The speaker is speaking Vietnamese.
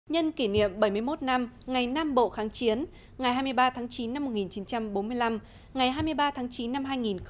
nhân kỷ niệm bảy mươi một năm ngày nam bộ kháng chiến ngày hai mươi ba tháng chín năm một nghìn chín trăm bốn mươi năm ngày hai mươi ba tháng chín năm hai nghìn một mươi chín